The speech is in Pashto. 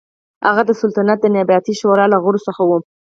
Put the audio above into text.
هغه د سلطنت د نیابتي شورا له غړو څخه و.